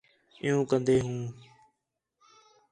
عیوں کندے ہوں